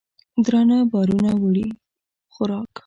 درانه بارونه وړي خوراک